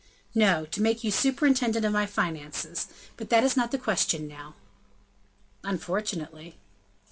"No; to make you superintendent of my finances; but that is not the question now." "Unfortunately."